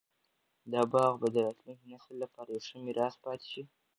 دا باغ به د راتلونکي نسل لپاره یو ښه میراث پاتې شي.